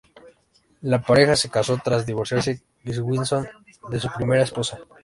La pareja se casó tras divorciarse Swenson de su primera esposa.